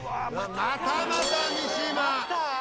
またまた三島。